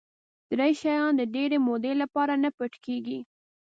درې شیان د ډېرې مودې لپاره نه پټ کېږي.